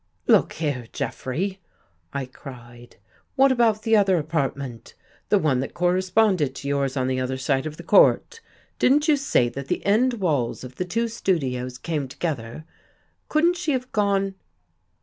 "Look here, Jeffrey!" I cried. "What about the other apartment — the one that corresponded to yours on the other side of the court? Didn't you say that the end walls of the two studios came to gether? Couldn't she have gone.